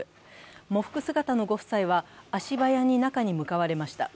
喪服姿のご夫妻は足早に中に向かわれました。